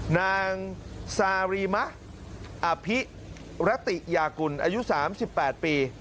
นางซารีมะอภิรติยากุลอายุ๓๘ปี